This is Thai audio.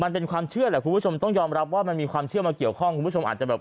มันเป็นความเชื่อแหละคุณผู้ชมต้องยอมรับว่ามันมีความเชื่อมาเกี่ยวข้องคุณผู้ชมอาจจะแบบ